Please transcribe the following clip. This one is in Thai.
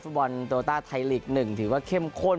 ฟุตบอลโตราตาไทยอีก๑ถือว่าเข้มข้น